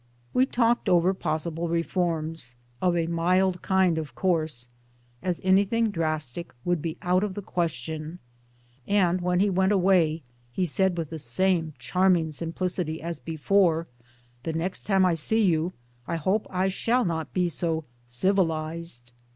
We talked over possible reforms of a mild kind of course, as anything drastic would be out of the question ; and when he went away he said with the same charming simplicity as before '' The next time I see you I hope I shall not be so civilized.'